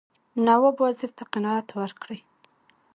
نواب وزیر ته قناعت ورکړي.